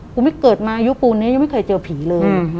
กูไม่เกิดมายุคุณยังไม่เคยเจอผีเลย